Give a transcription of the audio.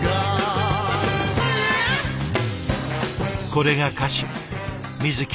これが歌手水木